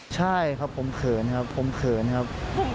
ใช่ครับผมเขินครับผมเขินครับ